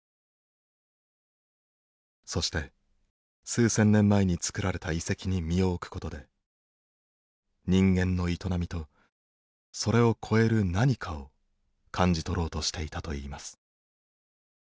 そして数千年前に作られた遺跡に身を置くことで人間の営みとそれを超える何かを感じ取ろうとしていたといいます。